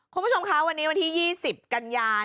คุณผู้ชมคะวันนี้วันที่๒๐กันยา